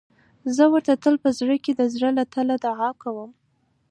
زه ورته تل په زړه کې د زړه له تله دعا کوم.